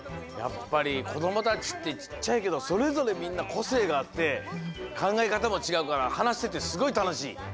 やっぱりこどもたちってちっちゃいけどそれぞれみんなこせいがあってかんがえかたもちがうからはなしててすごいたのしい。